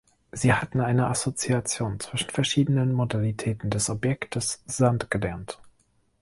Sie hatten eine Assoziation zwischen verschiedenen Modalitäten des Objektes Sand gelernt.